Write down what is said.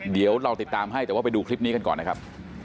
เดี๋ยวเราติดตามให้แต่ว่าไปดูคลิปนี้กันก่อนนะครับ